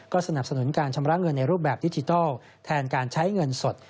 สนับสนุนการชำระเงินในรูปแบบดิจิทัลแทนการใช้เงินสด